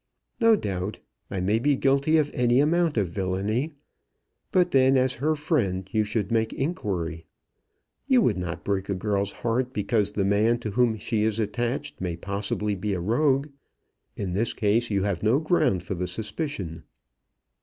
"No doubt; I may be guilty of any amount of villainy, but then, as her friend, you should make inquiry. You would not break a girl's heart because the man to whom she is attached may possibly be a rogue. In this case you have no ground for the suspicion."